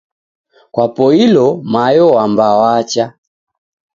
Kwapoilo mayo wamba wacha